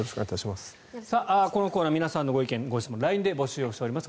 このコーナー皆さんのご意見・ご質問をＬＩＮＥで募集しております。